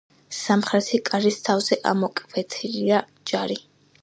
სამხრეთი კარის თავზე ამოკვეთილია ჯვარი.